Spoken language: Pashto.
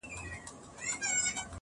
کور مي ورانېدی ورته کتله مي.